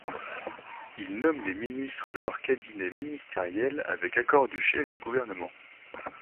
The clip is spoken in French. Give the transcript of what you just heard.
Ils nomment les ministres de leur cabinet ministériel avec accord du chef du gouvernement.